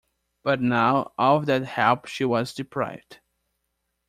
But now of all that help she was deprived.